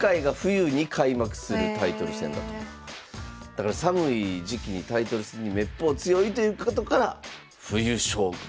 だから寒い時期にタイトル戦にめっぽう強いということから冬将軍と。